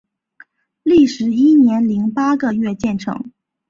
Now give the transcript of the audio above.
历时一年零八个月建成。